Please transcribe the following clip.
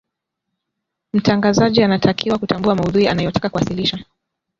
mtangazaji anatakiwa kutambua maudhui anayotaka kuwasilisha